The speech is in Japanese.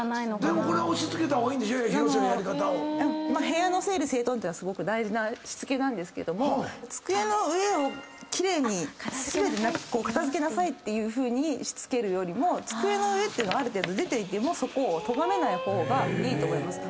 部屋の整理整頓ってのはすごく大事なしつけなんですけども机の上を奇麗に全て片付けなさいっていうふうにしつけるよりも机の上ってのはある程度出ていてもそこをとがめない方がいいと思います。